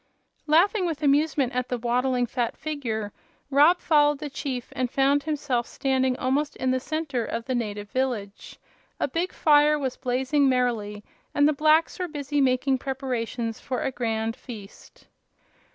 Laughing with amusement at the waddling, fat figure, Rob followed the chief and found himself standing almost in the center of the native village. A big fire was blazing merrily and the blacks were busy making preparations for a grand feast.